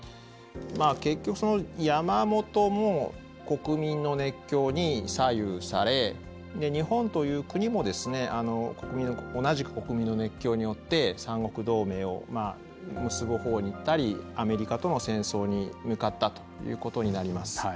結局山本も国民の熱狂に左右され日本という国も同じく国民の熱狂によって三国同盟を結ぶほうにいったりアメリカとの戦争に向かったということになります。